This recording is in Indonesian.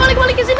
balik balik kesini